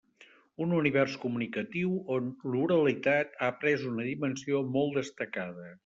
Un univers comunicatiu on l'oralitat ha pres una dimensió molt destacada.